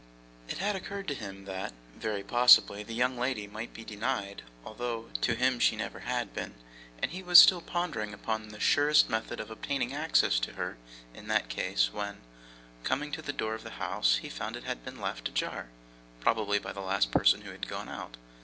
It had occurred to him that, very possibly, the young lady might be denied, although to him she never had been; and he was still pondering upon the surest method of obtaining access to her in that case, when, coming to the door of the house, he found it had been left ajar probably by the last person who had gone out.